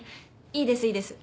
いいですいいです